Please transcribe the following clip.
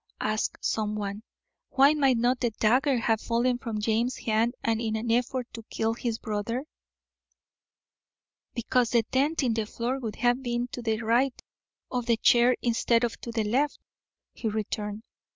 asked someone. "Why might not the dagger have fallen from James's hand in an effort to kill his brother?" "Because the dent in the floor would have been to the right of the chair instead of to the left," he returned.